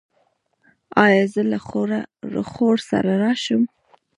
ایا زه له خور سره راشم؟